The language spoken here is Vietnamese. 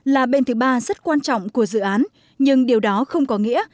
là bên thứ ba rất quan trọng của dự án nhưng điều đó không có nghĩa